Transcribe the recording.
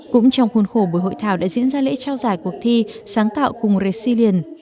cũng trong khuôn khổ buổi hội thảo đã diễn ra lễ trao giải cuộc thi sáng tạo cùng resilient